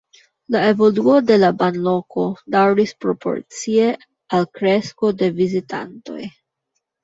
La evoluo de la banloko daŭris proporcie al kresko de vizitantoj.